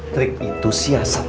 trik itu siasatnya